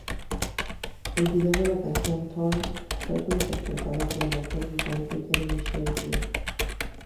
El vídeo de la canción "Torn" fue co-interpretado por el actor británico Jeremy Sheffield.